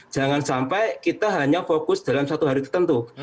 jangan sampai kita hanya fokus dalam satu hari tertentu